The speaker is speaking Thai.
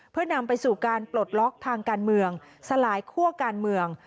เพื่อนำไปสู่การปลดล็อกทางการเมืองสลายคั่วการเมือง